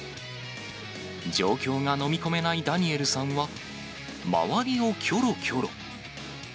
状況が飲み込めないダニエルさんは、周りをきょろきょろ。